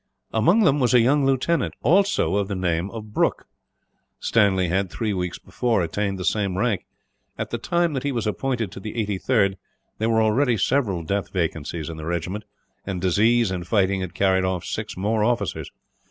Among them was a young lieutenant, also of the name of Brooke. Stanley had, three weeks before, attained the same rank. At the time that he was appointed to the 83rd, there were already several death vacancies in the regiment, and disease and fighting had carried off six more officers.